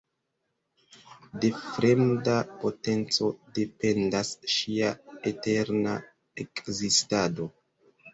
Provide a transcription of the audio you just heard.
De fremda potenco dependas ŝia eterna ekzistado.